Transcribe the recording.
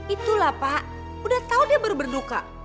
itulah pak udah tahu dia baru berduka